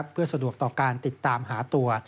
เพื่อสะดวกต่อการติดตามหาตัว